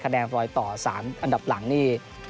แนนรอยต่อ๓อันดับหลังนี่